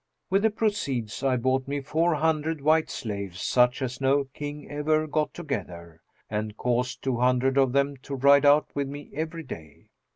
With the proceeds, I bought me four hundred white slaves, such as no King ever got together, and caused two hundred of them to ride out with me every day.